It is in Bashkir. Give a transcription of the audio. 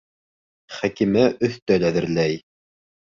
Хәкимә өҫтәл әҙерләй.